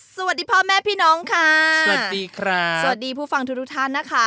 สวัสดีพ่อแม่พี่น้องค่ะสวัสดีครับสวัสดีผู้ฟังทุกทุกท่านนะคะ